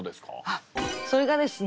あっそれがですね